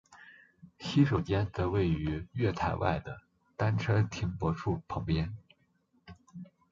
洗手间则位于月台外的单车停泊处旁边。